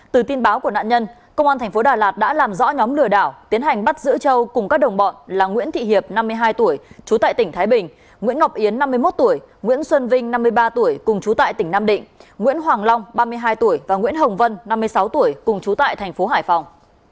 từ tin báo của nạn nhân công an tp đà lạt đã làm rõ nhóm lừa đảo tiến hành bắt giữ châu cùng các đồng bọn là nguyễn thị hiệp năm mươi hai tuổi trú tại tỉnh thái bình nguyễn ngọc yến năm mươi một tuổi nguyễn xuân vinh năm mươi ba tuổi cùng chú tại tỉnh nam định nguyễn hoàng long ba mươi hai tuổi và nguyễn hồng vân năm mươi sáu tuổi cùng chú tại thành phố hải phòng